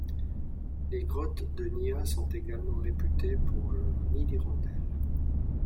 Les grottes de Niah sont également réputées pour leurs nids d'hirondelle.